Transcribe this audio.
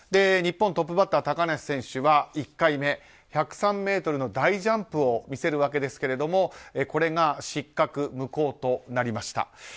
日本、トップバッター高梨選手は１回目、１０３ｍの大ジャンプを見せるわけですがこれが失格、無効となりました。